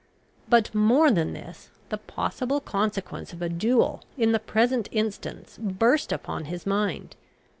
But more than this, the possible consequence of a duel in the present instance burst upon his mind.